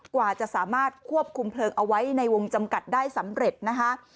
กว่าจะสามารถควบคุมเพลิงเอาไว้ในวงจำกัดได้สำเร็จนะคะ